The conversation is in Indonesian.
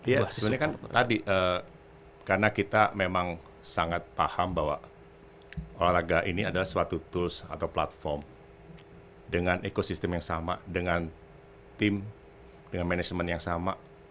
ya sebenarnya kan tadi karena kita memang sangat paham bahwa olahraga ini adalah suatu tools atau platform dengan ekosistem yang sama dengan tim dengan manajemen yang sama